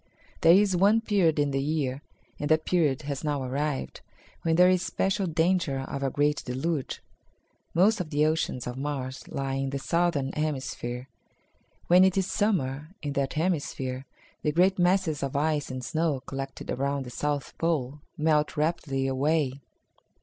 "There is one period in the year, and that period has now arrived, when there is special danger of a great deluge. Most of the oceans of Mars lie in the southern hemisphere. When it is Summer in that hemisphere, the great masses of ice and snow collected around the south pole melt rapidly away."